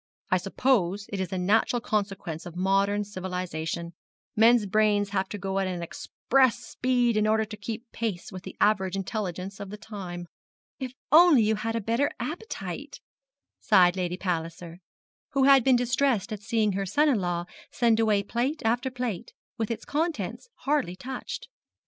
I suppose it is a natural consequence of modern civilisation: men's brains have to go at express speed in order to keep pace with the average intelligence of the time.' 'If you had only a better appetite!' sighed Lady Palliser, who had been distressed at seeing her son in law send away plate after plate, with its contents hardly touched.